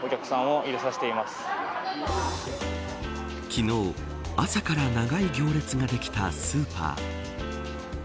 昨日、朝から長い行列ができたスーパー。